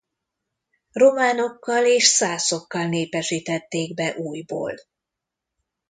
Románokkal és szászokkal népesítették be újból.